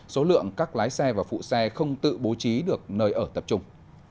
số lượng các lái xe và phụ xe không tự bố trí được nơi ở tập trung